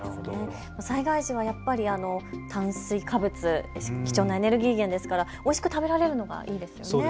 災害時はやっぱり炭水化物、貴重なエネルギー源ですからおいしく食べられるのがいいですね。